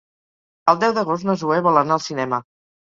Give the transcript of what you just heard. El deu d'agost na Zoè vol anar al cinema.